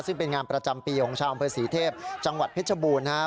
ซึ่งเป็นงานประจำปีของชาวอำเภอศรีเทพจังหวัดเพชรบูรณ์นะครับ